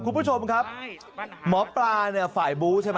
คุณผู้ชมครับหมอปลาฝ่ายบุ้นใช่ไหม